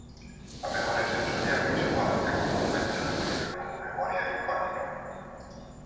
A memoria sensorial visual é comunmente referida como memoria icónica.